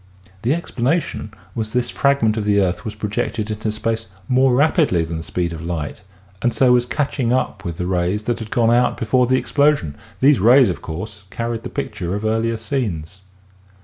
The explanation was that this fragment of the earth was projected into space more rapidly than the speed of light and so was catch ing up with the rays that had gone out before the ex plosion; these rays, of course, carried the picture of earlier scenes.